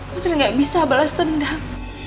putri gak bisa balas dendam